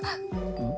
うん？